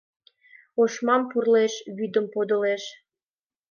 Ошмам пурлеш, вӱдым подылеш.